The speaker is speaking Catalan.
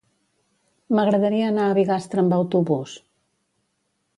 M'agradaria anar a Bigastre amb autobús.